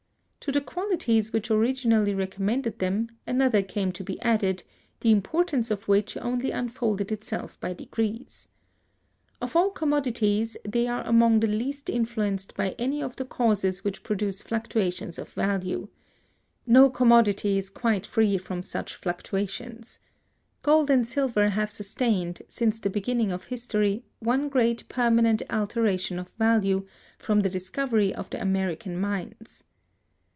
To the qualities which originally recommended them, another came to be added, the importance of which only unfolded itself by degrees. Of all commodities, they are among the least influenced by any of the causes which produce fluctuations of value. No commodity is quite free from such fluctuations. Gold and silver have sustained, since the beginning of history, one great permanent alteration of value, from the discovery of the American mines.